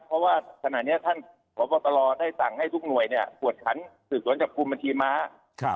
เพราะว่าขณะนี้ท่านพบตรได้สั่งให้ทุกหน่วยเนี่ยกวดขันสืบสวนจับกลุ่มบัญชีม้า